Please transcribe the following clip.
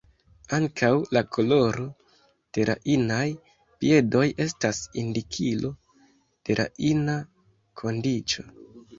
Ankaŭ la koloro de la inaj piedoj estas indikilo de la ina kondiĉo.